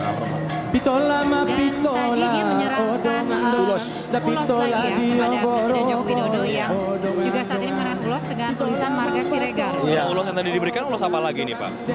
ulus ulus yang juga saat ini mengenai tulisan marga sirega yang tadi diberikan